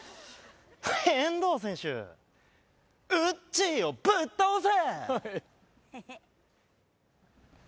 遠藤選手ウッチーをぶっ倒せ！